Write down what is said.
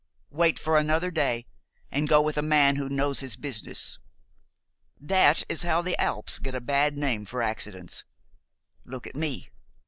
Wait for another day, and go with a man who knows his business. That is how the Alps get a bad name for accidents. Look at me!